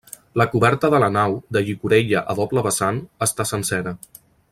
La coberta de la nau, de llicorella a doble vessant, està sencera.